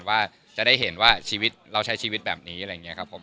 ว่าจะได้เห็นว่าชีวิตเราใช้ชีวิตแบบนี้อะไรอย่างนี้ครับผม